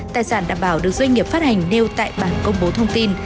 tài sản đảm bảo được doanh nghiệp phát hành nêu tại bảng công bố thông tin